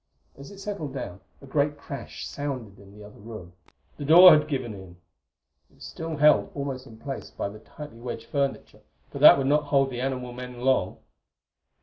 As it settled down a great crash sounded in the other room: the door had given in. It was still held almost in place by the tightly wedged furniture, but that would not hold the animal men long.